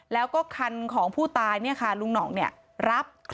แล้วก็คันของผู้ตายเนี่ยค่ะลุงหน่องเนี่ยรับ